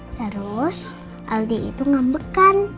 terus aldi itu ngambekan